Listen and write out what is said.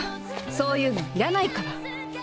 そういうの要らないから。